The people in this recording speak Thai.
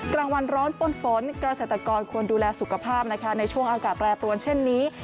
กลางวันร้อนป้นฝนเกษตรกรควรดูแลสุขภาพนะคะในช่วงอากาศแปรปรวนเช่นนี้